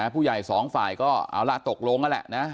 ผู้ใหญ่๒ฝ่ายก็เอาละตกลงอะแหละ